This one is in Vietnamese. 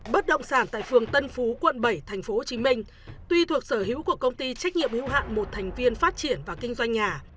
bất động sản tại phường tân phú quận bảy tp hcm tuy thuộc sở hữu của công ty trách nhiệm hữu hạn một thành viên phát triển và kinh doanh nhà